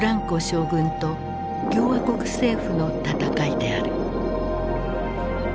将軍と共和国政府の戦いである。